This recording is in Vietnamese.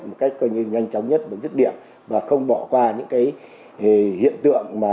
một cách nhanh chóng nhất dứt điểm và không bỏ qua những hiện tượng